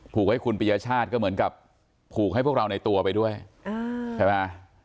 ให้คุณปียชาติก็เหมือนกับผูกให้พวกเราในตัวไปด้วยใช่ไหม